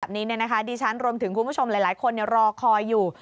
ดิฉันรวมถึงคุณผู้ชมหลายคนรอคอยอยู่